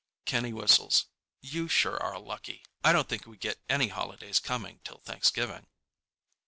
Kenny whistles. "You sure are lucky. I don't think we got any holidays coming till Thanksgiving."